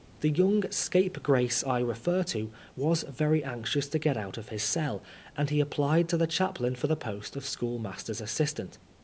The young scapegrace I refer to was very anxious to get out of his cell, and he applied to the chaplain for the post of schoolmaster's assistant.